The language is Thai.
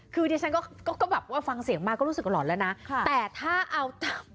คือดิฉันก็ก็แบบว่าฟังเสียงมาก็รู้สึกหล่อนแล้วนะแต่ถ้าเอาตาม